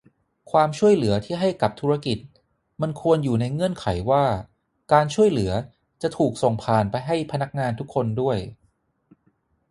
ความช่วยเหลือที่ให้กับธุรกิจมันควรอยู่ในเงื่อนไขว่า การช่วยเหลือจะถูกส่งผ่านไปให้พนักงานทุกคนด้วย